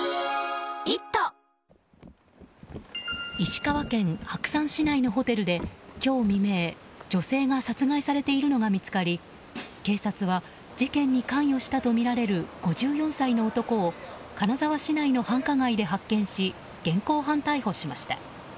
石川県白山市内のホテルで今日未明女性が殺害されているのが見つかり警察は事件に関与したとみられる５４歳の男を金沢市内の繁華街で発見し現行犯逮捕しました。